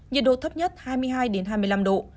nhiệt độ thấp nhất hai mươi hai hai mươi năm độ